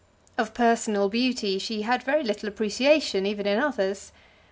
Of personal beauty she had very little appreciation even in others.